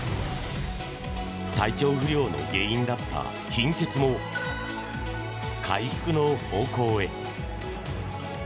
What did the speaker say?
体調不良の原因だった貧血も回復の方向へ。